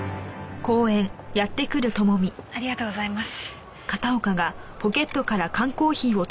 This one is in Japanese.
ありがとうございます。